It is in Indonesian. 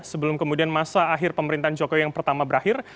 sebelum kemudian masa akhir pemerintahan jokowi yang pertama berakhir